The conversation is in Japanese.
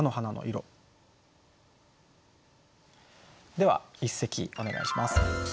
では一席お願いします。